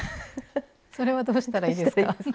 それはどうしたらいいですか？